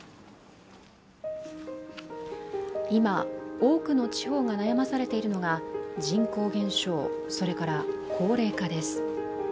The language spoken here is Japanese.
今、多くの地方が悩まされているのが人口減少、それから高齢化です。